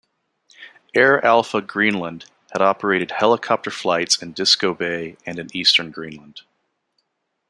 Air Alpha Greenland had operated helicopter flights in Disko Bay and in eastern Greenland.